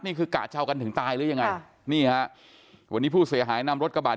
กะเช้ากันถึงตายหรือยังไงนี่ฮะวันนี้ผู้เสียหายนำรถกระบาด